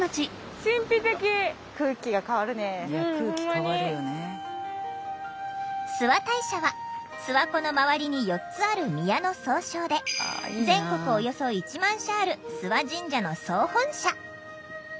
諏訪大社は諏訪湖の周りに４つある宮の総称で全国およそ１万社ある諏訪神社の総本社。